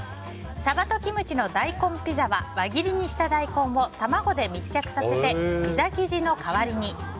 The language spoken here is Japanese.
サバとキムチの大根ピザは輪切りにした大根を卵で密着させてピザ生地の代わりに。